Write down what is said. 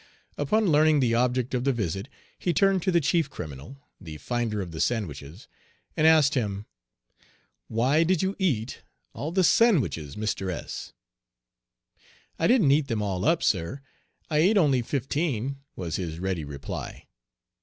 Upon learning the object of the visit he turned to the chief criminal the finder of the sandwiches and asked him, "Why did you eat all the sandwiches, Mr. S ?" "I didn't eat them all up, sir. I ate only fifteen," was his ready reply.